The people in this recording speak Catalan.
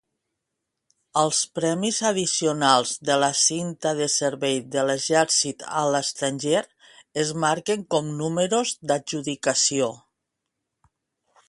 Els premis addicionals de la Cinta de Servei de l'Exercit a l'Estranger es marquen com números d'adjudicació.